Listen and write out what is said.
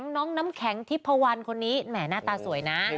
น้องน้ำแข็งทิพพวันคนนี้แหมหน้าตาสวยนะ